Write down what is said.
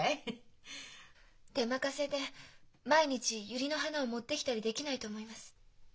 出任せで毎日ユリの花を持ってきたりできないと思います。